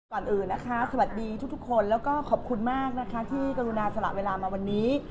ก่อนอื่นนะคะสวัสดีทุกคนแล้วก็ขอบคุณมากนะคะที่กรุณาสละเวลามาวันนี้